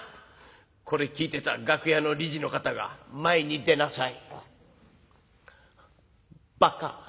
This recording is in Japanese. これ聞いてた楽屋の理事の方が「前に出なさい。